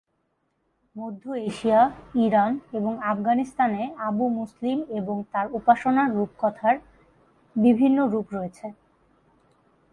মধ্য Asia, Iran এবং আফগানিস্তানে আবু মুসলিম এবং তাঁর উপাসনার রূপকথার বিভিন্ন রূপ রয়েছে।